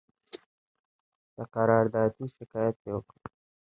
د قراردادي شکایت یې وکړ.